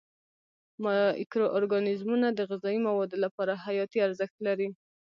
مایکرو ارګانیزمونه د غذایي موادو لپاره حیاتي ارزښت لري.